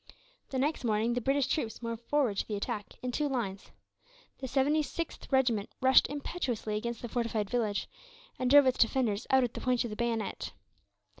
The next morning the British troops moved forward to the attack, in two lines. The 76th Regiment rushed impetuously against the fortified village, and drove its defenders out at the point of the bayonet.